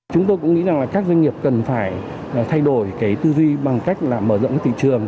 chúng tôi cũng nghĩ rằng là các doanh nghiệp cần phải thay đổi cái tư duy bằng cách là mở rộng cái thị trường